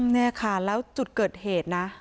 นี่ค่ะแล้วจุดเกิดเหตุนะ